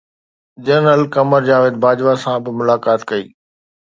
general Qamar Javed Bajwa سان به ملاقات ڪئي